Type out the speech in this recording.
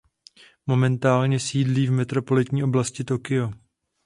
Momentálně sídlí v metropolitní oblasti Tokio.